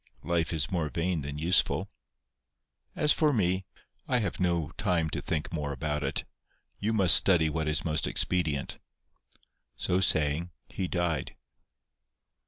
Life is more vain than useful. As for me, I have no time to think more about it; you must study what is most expedient." So saying, he died.